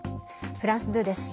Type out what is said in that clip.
フランス２です。